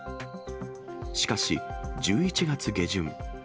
しかし、１１月下旬。